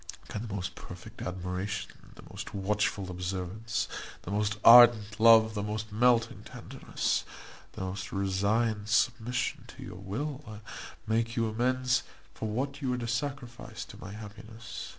Can the most perfect admiration, the most watchful observance, the most ardent love, the most melting tenderness, the most resigned submission to your will, make you amends for what you are to sacrifice to my happiness?